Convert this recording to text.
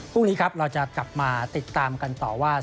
พรุ่งนี้ครับเราจะกลับมาติดตามกันต่อว่า